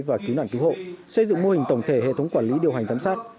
và cứu nạn cứu hộ xây dựng mô hình tổng thể hệ thống quản lý điều hành giám sát